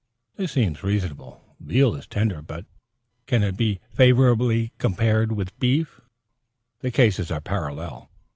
This seems reasonable. Veal is tender, but can it be favorably compared with beef? The cases are parallel.